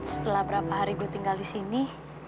setelah berapa hari gue tinggal di sini